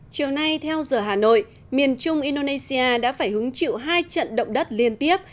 chiều nay theo giờ hà nội miền trung indonesia đã phải hứng chịu hai trận động đất liên tiếp